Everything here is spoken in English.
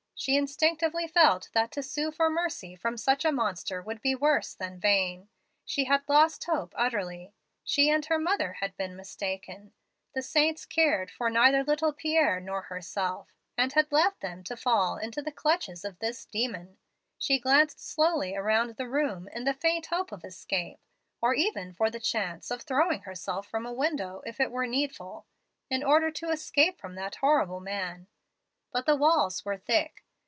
She instinctively felt that to sue for mercy from such a monster would be worse than vain. She had lost hope utterly. She and her mother had been mistaken. The saints cared for neither little Pierre nor herself, and had left them to fall into the clutches of this demon. She glanced slowly around the room in the faint hope of escape, or even for the chance of throwing herself from a window, if it were needful, in order to escape from that horrible man. But the walls were thick.